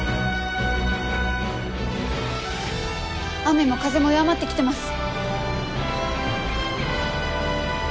雨も風も弱まってきてます！